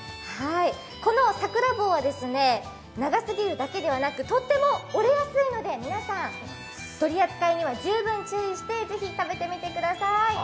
このさくら棒は、長すぎるだけでなく、とっても折れやすいので皆さん、取り扱いには注意して是非、食べてみてください。